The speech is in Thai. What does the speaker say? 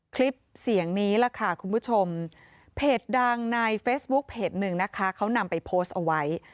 คลิปเสียงนี้ล่ะค่ะคุณผู้ชมเพจดังในเฟซบุ๊คเพจหนึ่งนะคะเขานำไปโพสต์เอาไว้